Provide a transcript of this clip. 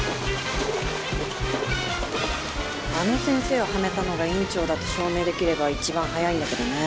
あの先生をはめたのが院長だと証明できれば一番早いんだけどね。